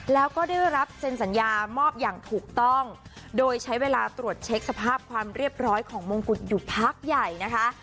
แล้วก็ได้รับเซ็นสัญญามอบอย่างถูกต้องโดยใช้เวลาตรวจเช็คสภาพความเรียบร้อยของมงกุฎอยู่พักใหญ่นะคะ